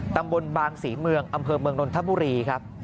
ตำบลบางศรีเมืองอำเภอเมืองนนทบุรีครับ